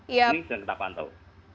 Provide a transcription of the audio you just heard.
ini sudah kita pantau